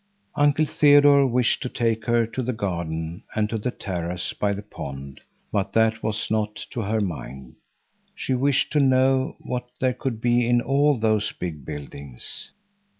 Uncle Theodore wished to take her to the garden and to the terraces by the pond, but that was not to her mind. She wished to know what there could be in all those big buildings.